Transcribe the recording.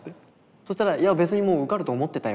そしたら「いや別にもう受かると思ってたよ」